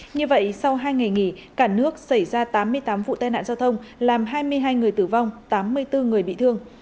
như vậy sau hai ngày nghỉ cả nước xảy ra tám mươi tám vụ tai nạn giao thông làm hai mươi hai người tử vong tám mươi bốn người bị thương